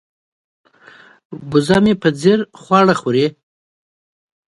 وزه مې په ځیر خواړه خوري.